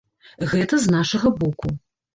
Гэта з нашага боку.